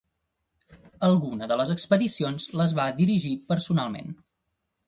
Alguna de les expedicions, les va dirigir personalment.